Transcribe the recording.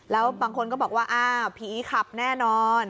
แล้วบางคนก็บอกว่าอ้าวผีขับแน่นอน